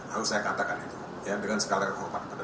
harus saya katakan itu ya dengan sekalian hormat pada beliau